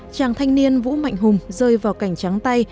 chàng thanh niên vũ mạnh hùng rơi vào cảnh trắng tay